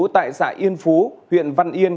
tại xã yên phú huyện văn yên